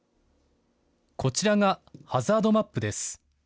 こちらがハザードマップです。